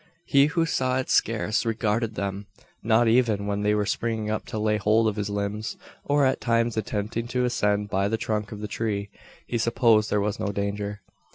He who saw it scarce regarded them not even when they were springing up to lay hold of his limbs, or at times attempting to ascend by the trunk of the tree! He supposed there was no danger.